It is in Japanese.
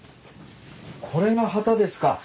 これが機ですか？